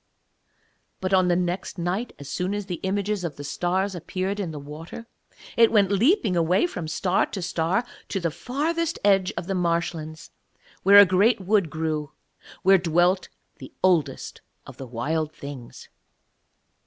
But on the next night, as soon as the images of the stars appeared in the water, it went leaping away from star to star to the farthest edge of the marshlands, where a great wood grew where dwelt the Oldest of the Wild Things.